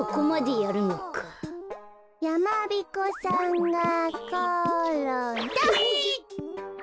やまびこさんがころんだ！